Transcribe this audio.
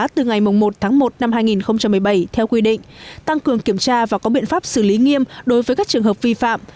từ ngày một tháng một năm hai nghìn một mươi bảy theo quy định tăng cường kiểm tra và có biện pháp xử lý nghiêm đối với các trường hợp vi phạm